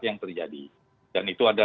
yang terjadi dan itu ada